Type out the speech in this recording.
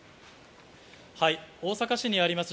大阪市にあります